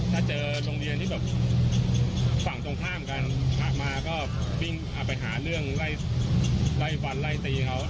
ถ้าเจอโรงเรียนไม่ถาบันการ์ก็วิ่งไปหาเรื่องไล่ต่อยไล่ต่อ